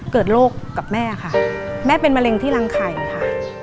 เกิดโรคกับแม่ค่ะแม่เป็นมะเร็งที่รังไข่ค่ะ